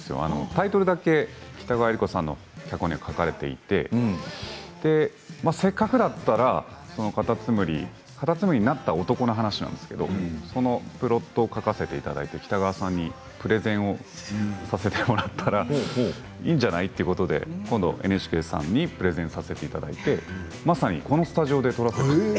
タイトルだけ北川悦吏子さんの脚本に書かれていてせっかくだったら、そのかたつむり、かたつむりになった男の話なんですけれどそのプロットを書かせていただいて、北川さんにプレゼンをさせてもらったらいいんじゃない、ということで今度ＮＨＫさんにプレゼンさせていただいてまさに、このスタジオで撮らせていただいて。